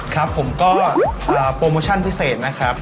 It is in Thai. ครับผมก็โปรโมชั่นพิเศษนะครับ